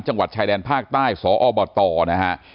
จังหวัดชายแดนภาคใต้สอบตนะฮะ